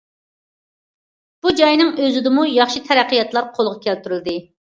بۇ جاينىڭ ئۆزىدىمۇ ياخشى تەرەققىياتلار قولغا كەلتۈرۈلدى.